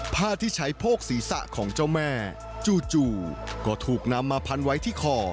ผ้าที่ใช้โพกศีรษะของเจ้าแม่จู่ก็ถูกนำมาพันไว้ที่คอ